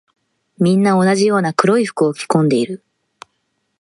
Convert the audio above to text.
みんな同じような黒い服を着込んでいる。